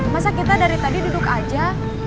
masa kita dari tadi duduk aja